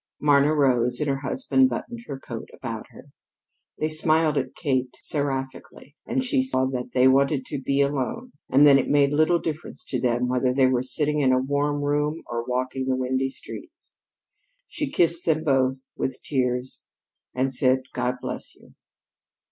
Marna rose and her husband buttoned her coat about her. They smiled at Kate seraphically, and she saw that they wanted to be alone, and that it made little difference to them whether they were sitting in a warm room or walking the windy streets. She kissed them both, with tears, and said: "God bless you."